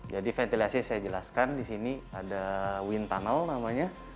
jadi ventilasi saya jelaskan di sini ada wind tunnel namanya